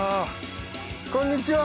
こんにちは。